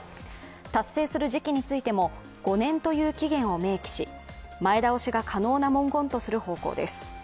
達成する時期についても５年という期限を明記し前倒しが可能な文言とする方向です。